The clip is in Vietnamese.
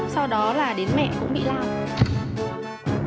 sau đó là đến mẹ cũng bị lao